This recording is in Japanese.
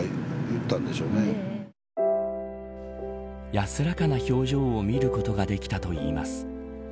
安らかな表情を見ることができたといいます。